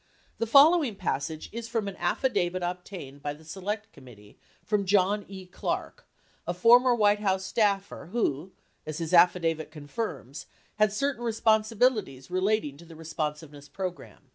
The follow ing passage is from an affidavit 98 obtained by the Select Committee from John E. Clarke, a former White House staffer who, as his affidavit confirms, had certain responsibilities relating to the Responsiveness Program.